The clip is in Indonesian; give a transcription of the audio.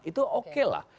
itu oke lah